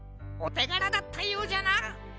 おてがらだったようじゃな。